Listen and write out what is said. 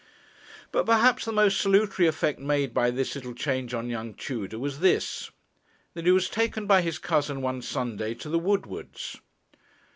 But perhaps the most salutary effect made by this change on young Tudor was this, that he was taken by his cousin one Sunday to the Woodwards.